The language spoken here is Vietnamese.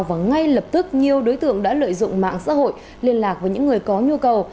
và ngay lập tức nhiều đối tượng đã lợi dụng mạng xã hội liên lạc với những người có nhu cầu